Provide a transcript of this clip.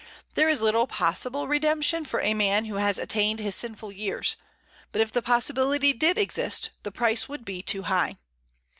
There is little possible redemption for a man who has attained his sinful years; but if the possibility did exist, the price would be too high.